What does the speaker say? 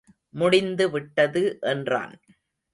முடிந்து விட்டது என்றான்.